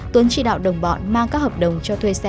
tuấn chỉ đạo đồng bọn mang các hợp đồng cho thuê xe